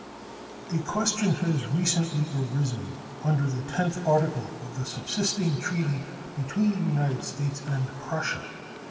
A question has recently arisen under the tenth article of the subsisting treaty between the United States and Prussia.